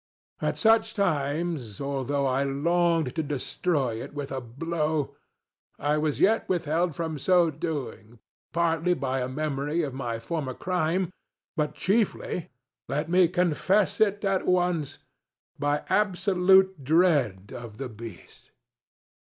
At such times, although I longed to destroy it with a blow, I was yet withheld from so doing, partly by a memory of my former crime, but chieflyŌĆölet me confess it at onceŌĆöby absolute dread of the beast.